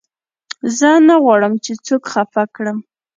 زه نه غواړم، چي څوک خفه کړم.